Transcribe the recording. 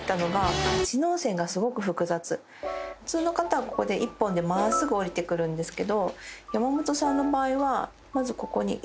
普通の方はここで１本で真っすぐ下りてくるんですけど山本さんの場合はまずここに１本。